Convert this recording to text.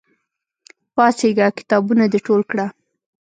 پاڅېږه! کتابونه د ټول کړه!